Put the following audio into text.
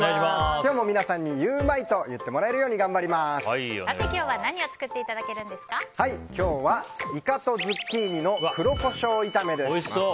今日も皆さんにゆウマいと言ってもらえるように今日は何を今日はイカとズッキーニの黒コショウ炒めです。